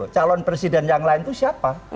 calon presiden yang lain itu siapa